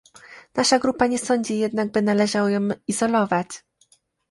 Nasza grupa nie sądzi jednak, by należało ją izolować